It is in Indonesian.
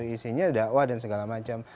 isinya dakwah dan segala macam